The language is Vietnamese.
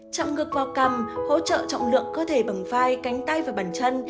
chậm ngực vào cằm hỗ trợ trọng lượng cơ thể bằng vai cánh tay và bàn chân